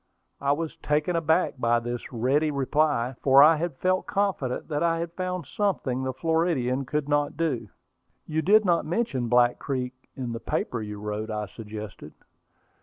I was taken aback by this ready reply, for I had felt confident that I had found something the Floridian could not do. "You did not mention Black Creek in the paper you wrote," I suggested.